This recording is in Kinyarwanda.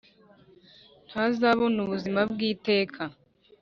Ntazabona ubuzima bw iteka